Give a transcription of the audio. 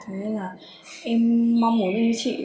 nên là em mong muốn như chị